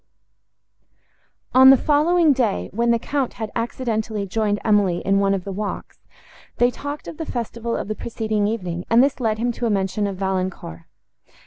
On the following day, when the Count had accidentally joined Emily in one of the walks, they talked of the festival of the preceding evening, and this led him to a mention of Valancourt.